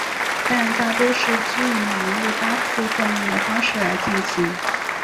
但大多是基于一日八次诵念的方式来进行。